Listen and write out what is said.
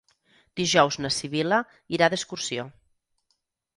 Dijous na Sibil·la irà d'excursió.